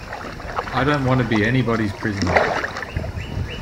I don’t want to be anybody’s prisoner.